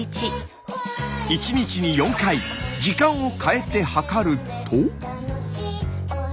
１日に４回時間を変えて測ると。